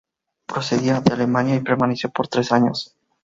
Procedía de Alemania y permaneció por tres años.